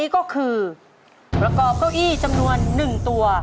ก็คือประกอบเก้าอี้จำนวน๑ตัว